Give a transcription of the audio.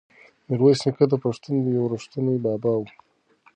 میرویس نیکه د پښتنو یو ریښتونی بابا و.